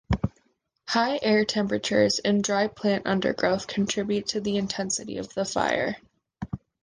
High air temperatures and dry plant undergrowth contribute to the intensity of the fire.